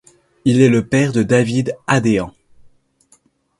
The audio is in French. Il est le père de David Adeang.